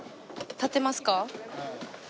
立てますか？